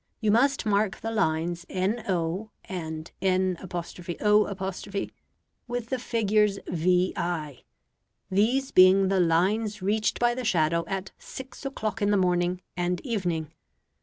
You must mark the lines NO and N′O′ with the figures VI, these being the lines reached by the shadow at six o'clock in the morning and evening.